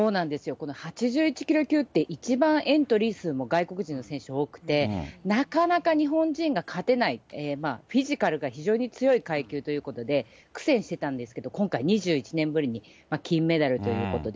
この８１キロ級って一番エントリー数も外国人の選手、多くて、なかなか日本人が勝てない、フィジカルが非常に強い階級ということで、苦戦してたんですけど、今回、２１年ぶりに金メダルということで。